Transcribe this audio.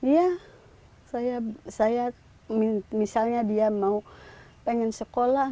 ya saya misalnya dia mau pengen sekolah